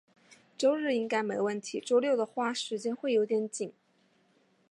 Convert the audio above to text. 周日应该没问题，周六的话，时间会有点紧。